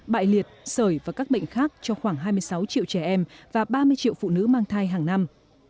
bại liệt sởi và các bệnh khác cho khoảng hai mươi sáu triệu trẻ em và ba mươi triệu phụ nữ mang thai hàng năm